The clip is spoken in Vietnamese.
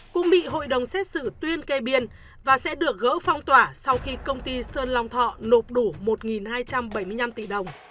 cũng bị hội đồng xét xử tuyên kê biên và sẽ được gỡ phong tỏa sau khi công ty sơn long thọ nộp đủ một hai trăm bảy mươi năm tỷ đồng